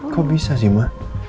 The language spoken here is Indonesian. kok bisa sih ma